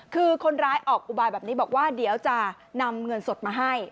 คือคนร้ายออกอุบายแบบนี้บอกว่าเดี๋ยวจะนำเงินสดมาให้